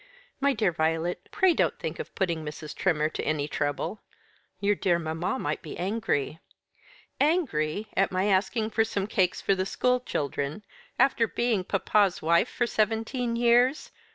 "My dear Violet, pray don't think of putting Mrs. Trimmer to any trouble. Your dear mamma might be angry." "Angry at my asking for some cakes for the school children, after being papa's wife for seventeen years!